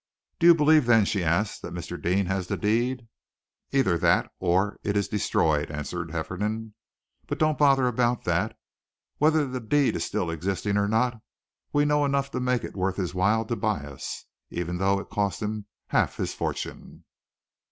"Do you believe, then," she asked, "that Mr. Deane has the deed?" "Either that, or it is destroyed," answered Hefferom. "But don't bother about that. Whether the deed is still existing or not, we know enough to make it worth his while to buy us, even though it costs him half his fortune."